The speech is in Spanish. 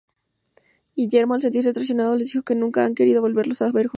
Guillermo, al sentirse traicionado, les dijo que nunca más quería volverlos a ver juntos.